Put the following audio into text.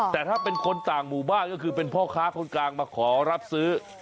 แต่ถ้าเป็นคนต่างหมู่บ้านก็คือเป็นพ่อค้าคนกลางมาขอรับซื้อ